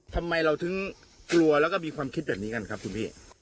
ทำไมเราถึงกลัวแล้วก็มีความคิดแบบนี้กันครับคุณพี่